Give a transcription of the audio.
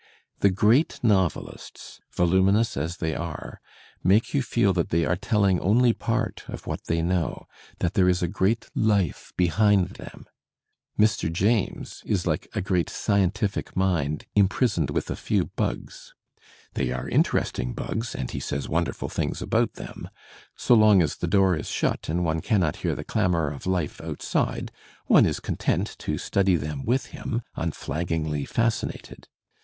The great novelists, voluminous as they are, make you feel that they are telling only part of what they know, that there is a great life behind them. Mr. James is like a great scientific mind imprisoned with a few bugs. They are interesting bugs and he says wonderful things about them. So long as the door is shut and one cannot hear the clamour of life outside, one is content to study them with him, unflaggingly fascinated.